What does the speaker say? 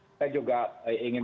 kita juga ingin